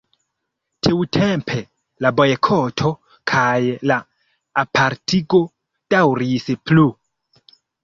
Tiutempe la bojkoto kaj la apartigo daŭris plu.